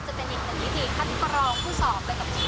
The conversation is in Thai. จะเป็นอีกหนึ่งวิธีค่ะที่ประลองผู้สอบเป็นกับชีวิต